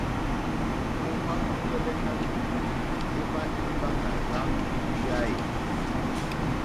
O ma ɔ̀ŋgɛlɛ nanù ema imba nà rza o hwiya e?